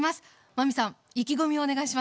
真海さん意気込みをお願いします。